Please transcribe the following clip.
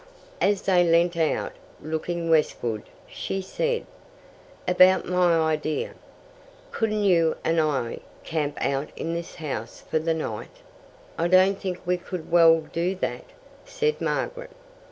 As they leant out, looking westward, she said: "About my idea. Couldn't you and I camp out in this house for the night?" "I don't think we could well do that," said Margaret.